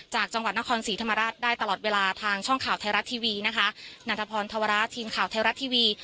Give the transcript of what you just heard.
จากจังหวัดนครศรีธรรมราชได้ตลอดเวลาทางช่องข่าวไทยรัฐทีวีนะคะนันทพรธวระทีมข่าวไทยรัฐทีวี